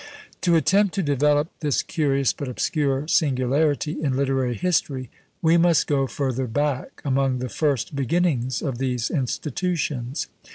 To attempt to develope this curious but obscure singularity in literary history, we must go further back among the first beginnings of these institutions.